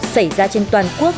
xảy ra trên toàn quốc